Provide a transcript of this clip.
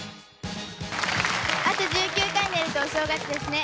あと１９回寝るとお正月ですね。